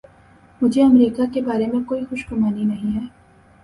مجھے امریکہ کے بارے میں کوئی خوش گمانی نہیں ہے۔